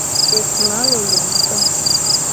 Ekploa lolo ngto.